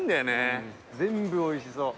全部おいしそう。